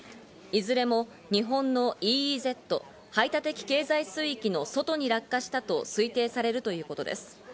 いずれも日本のＥＥＺ＝排他的経済水域の外に落下したと推定されるということです。